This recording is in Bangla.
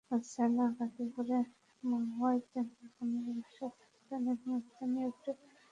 গাজীপুরের মাওনায় তিনি বোনের বাসায় থাকতেন এবং স্থানীয় একটি স্কুলে শিক্ষকতা করতেন।